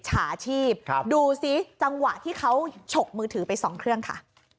ฉาชีพดูสิจังหวะที่เขาฉกมือถือไปสองเครื่องค่ะ